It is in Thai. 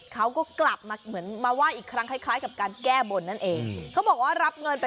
เขาก็กลับมาไหว้อีกครั้ง